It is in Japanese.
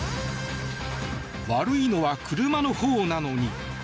悪いのは車のほうなのに。